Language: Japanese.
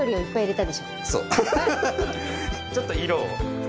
ちょっと色を。